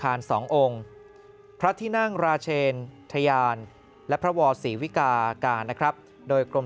สององค์พระที่นั่งราชเชนทยานและพระวศรีวิกาการนะครับโดยกรม